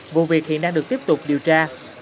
vụ việc hiện đang được tiếp tục điều tra